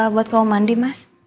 buat kamu mandi mas